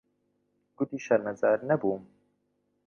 گوتی شەرمەزار نەبووم.